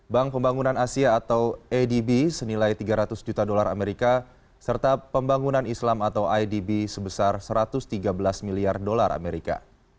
bank pembangunan asia atau adb senilai tiga ratus juta dolar amerika serta pembangunan islam atau idb sebesar satu ratus tiga belas miliar dolar amerika